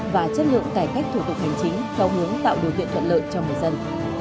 và chất lượng cải cách thủ tục hành chính theo hướng tạo điều kiện thuận lợi cho người dân